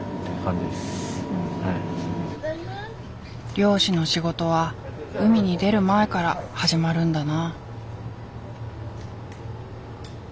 漁師の仕事は海に出る前から始まるんだな。